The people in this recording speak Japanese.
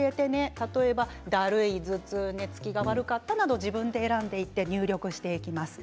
例えば、だるい、頭痛寝つきが悪かったなど自分で選んでいって入力していきます。